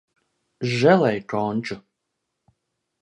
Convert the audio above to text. Želejkonču...